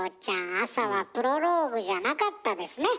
朝はプロローグじゃなかったですね。